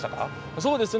そうですね。